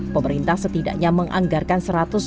pemerintah setidaknya menganggarkan sebuah perubahan tersebut